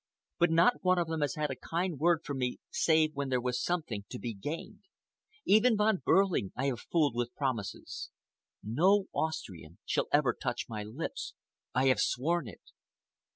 But no one of them has had a kind word from me save where there has been something to be gained. Even Von Behrling I have fooled with promises. No Austrian shall ever touch my lips—I have sworn it!"